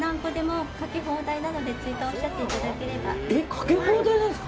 かけ放題なんですか。